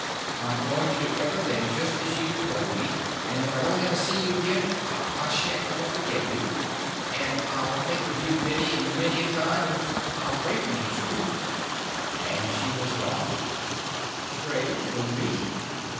I'm going to do everything just as you've told me; and if I don't ever see you again, I sha'n't ever forget you and I'll think of you a many and a many a time, and I'll pray for you, too!"—and she was gone. Pray for me!